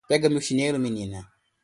Pega meu chinelo menina.